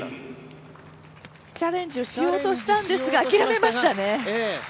チャレンジをしようとしたんですが、諦めましたね。